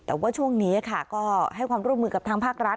แต่ว่าช่วงนี้ค่ะก็ให้ความร่วมมือกับทางภาครัฐ